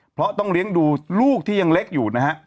เพราะต้องเลี้ยงดูลูกที่ยังเล็กอยู่นะฮะ